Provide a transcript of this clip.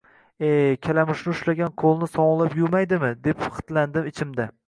Eee, kalamushni ushlagan qo‘lni sovunlab yuvmaydimi, deb xitlandim ichimda